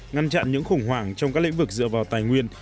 ngăn chặn những khủng hoảng trong các lĩnh vực dựa vào tài nguyên